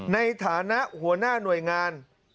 ในฐานะหัวหน้าหน่วยงาน